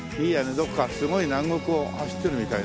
どっかすごい南国を走ってるみたいな。